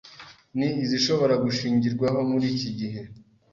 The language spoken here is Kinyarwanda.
ni izishobora gushingirwaho muri iki gihe